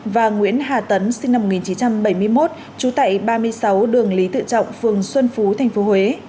và nguyễn hà tấn sinh năm một nghìn chín trăm bảy mươi một trú tại ba mươi sáu đường lý tự trọng phường xuân phú tp huế